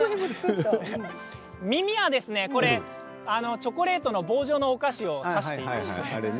耳はチョコレートの棒状のお菓子を刺しています。